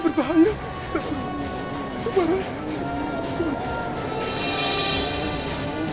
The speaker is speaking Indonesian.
terima kasih atas dukunganmu